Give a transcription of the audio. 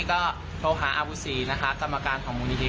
ก็โทรหาอาวุศีนะคะกรรมการของมูลนิธิ